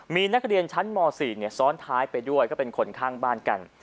มีนักเรียนชั้นม๔ซ้อนท้ายไปด้วยก็เป็นคนข้างบ้านกัน